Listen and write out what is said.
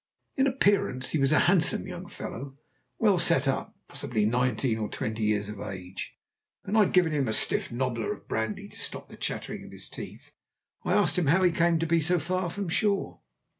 In appearance he was a handsome young fellow, well set up, and possibly nineteen or twenty years of age. When I had given him a stiff nobbler of brandy to stop the chattering of his teeth, I asked him how he came to be so far from shore.